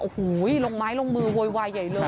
โอ้โหลงไม้ลงมือโวยวายใหญ่เลย